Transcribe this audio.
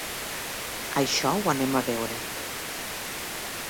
Això ho anem a veure.